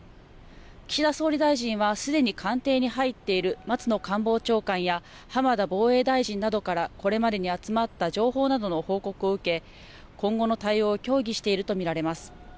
岸田総理大臣はすでに官邸に入っている松野官房長官や、浜田防衛大臣などから、これまでに集まった情報などの報告を受け、今後の対応を協議していると見られます。